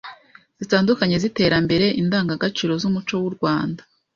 zitandukanye z’iterambere Indangagaciro z’umuco w’u Rwanda